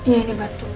ya ini batu